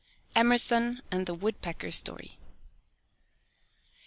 EMERSON AND THE WOODPECKER STORY.